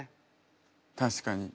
確かに。